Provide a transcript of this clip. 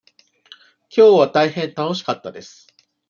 きょうは大変楽しかったです。